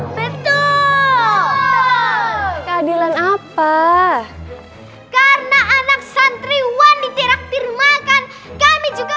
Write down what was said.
betul keadilan apa karena anak santriwan ditirak tiru makan kami juga